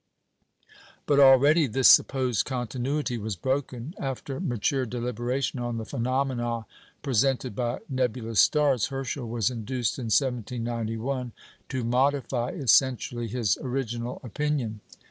" But already this supposed continuity was broken. After mature deliberation on the phenomena presented by nebulous stars, Herschel was induced, in 1791, to modify essentially his original opinion.